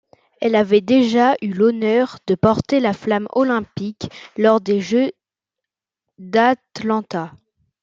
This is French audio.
Elle avait déjà eu l'honneur de porter la flamme olympique lors des jeux d'Atlanta.